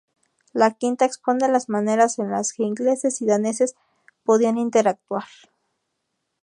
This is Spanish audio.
La quinta expone las maneras en las que ingleses y daneses podían interactuar.